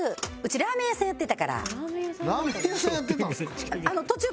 ラーメン屋さんやってたんですか？